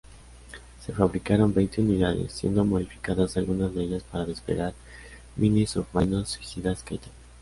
Se fabricaron veinte unidades, siendo modificadas algunas de ellas para desplegar minisubmarinos suicidas Kaiten.